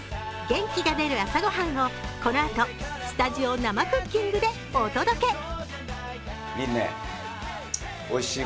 元気が出る朝御飯をこのあと、スタジオ生クッキングでお届け